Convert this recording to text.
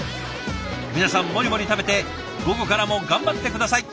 皆さんもりもり食べて午後からも頑張って下さい。